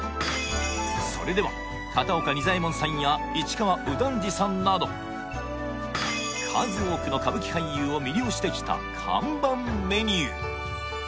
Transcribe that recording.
それでは片岡仁左衛門さんや市川右團次さんなど数多くの歌舞伎俳優を魅了してきた看板メニュー